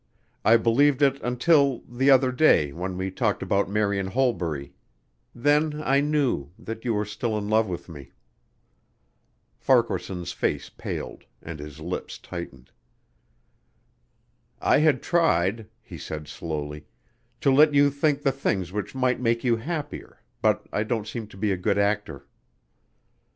I believed it until the other day when we talked about Marian Holbury then I knew that you were still in love with me." Farquaharson's face paled and his lips tightened. "I had tried," he said slowly, "to let you think the things which might make you happier but I don't seem to be a good actor."